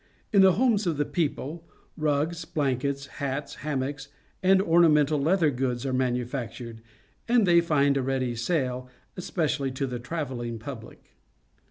In the homes of the people, rugs, blankets, hats, hammocks, and ornamental leather goods are manufactured, and they find a ready sale, especially to the travelling pubUc.